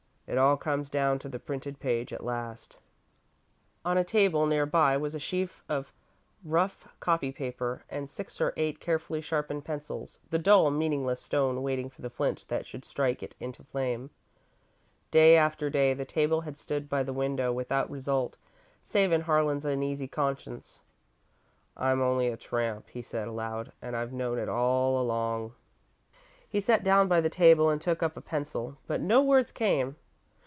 "It all comes down to the printed page at last." On a table, near by, was a sheaf of rough copy paper, and six or eight carefully sharpened pencils the dull, meaningless stone waiting for the flint that should strike it into flame. Day after day the table had stood by the window, without result, save in Harlan's uneasy conscience. "I'm only a tramp," he said, aloud, "and I've known it, all along." He sat down by the table and took up a pencil, but no words came.